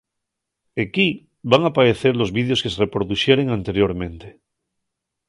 Equí van apaecer los vídeos que se reproduxeren anteriormente.